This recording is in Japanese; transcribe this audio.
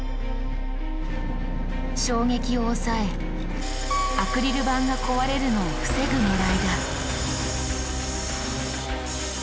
衝撃を抑えアクリル板が壊れるのを防ぐねらいだ。